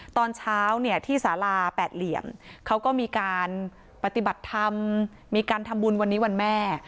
ตอนเช้าเนี่ยที่สาราแปดเหลี่ยมเขาก็มีการปฏิบัติธรรมมีการทำบุญวันนี้วันแม่